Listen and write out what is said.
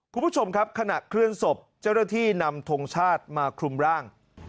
คุณผู้ชมครับขณะเคลื่อนศพเจ้าหน้าที่นำทงชาติมาคลุมร่าง